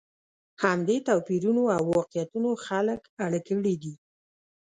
همدې توپیرونو او واقعیتونو خلک اړ کړي دي.